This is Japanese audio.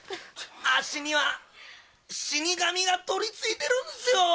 あっしには“死神”が取り憑いてるんですよ。